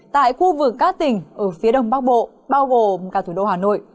tại khu vực các tỉnh ở phía đông bắc bộ bao gồm cả thủ đô hà nội